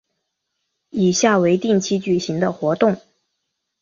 以下为定期举行的活动